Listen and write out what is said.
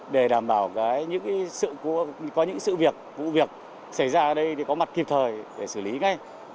để đảm bảo có những sự việc vụ việc xảy ra ở đây có mặt kịp thời để xử lý ngay